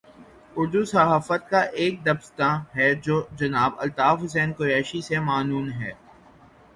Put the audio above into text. اردو صحافت کا ایک دبستان ہے جو جناب الطاف حسن قریشی سے معنون ہے۔